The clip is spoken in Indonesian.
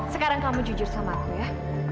sekarang kamu jujur sama aku ya